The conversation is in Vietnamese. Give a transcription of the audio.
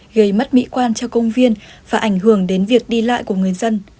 gây mất mỹ quan cho công viên và ảnh hưởng đến việc đi lại của người dân